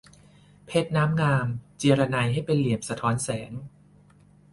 เพชรน้ำงาม เจียระไนให้เป็นเหลี่ยมสะท้อนแสง